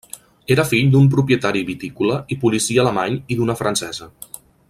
Era fill d'un propietari vitícola i policia alemany i d'una francesa.